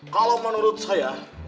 kalau menurut saya